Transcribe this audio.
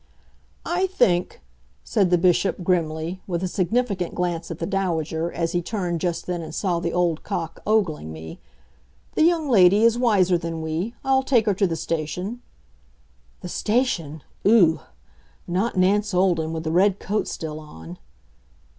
"I think," said the Bishop, grimly, with a significant glance at the Dowager, as he turned just then and saw the old cock ogling me, "the young lady is wiser than we. I'll take her to the station " The station! Ugh! Not Nance Olden, with the red coat still on.